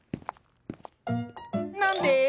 なんで？